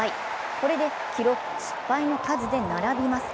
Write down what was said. これで記録・失敗の数で並びます。